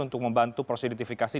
untuk membantu prosedur identifikasi